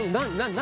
何？